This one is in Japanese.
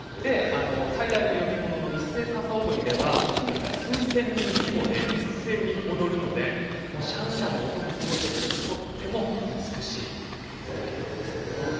最大の呼び物の一斉傘踊りは年によっては数千人規模で一斉に踊るのでシャンシャンの音もすごいですしとても美しい踊りなんです。